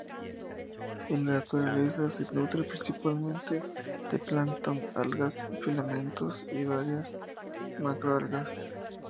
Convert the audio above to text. En la naturaleza se nutre principalmente de plancton, algas filamentosas y varias macroalgas.